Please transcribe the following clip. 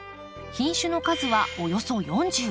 品種の数はおよそ４０。